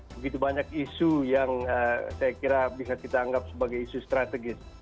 begitu banyak isu yang saya kira bisa kita anggap sebagai isu strategis